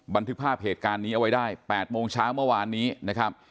บันทึกภาพเหตุการณ์นี้เอาไว้ได้๘โมงเช้าเมื่อวานนี้นะครับ